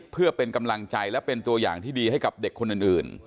เพื่อเป็นกำลังใจและเป็นตัวอย่างที่ดีให้กับเด็กคนอื่น